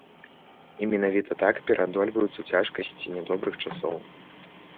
І менавіта так пераадольваюцца цяжкасці нядобрых часоў.